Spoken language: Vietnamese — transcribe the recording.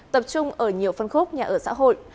tập trung ở nhiều phân khúc nhà ở xã hội